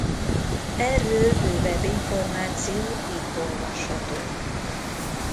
Erről bővebb információ itt olvasható.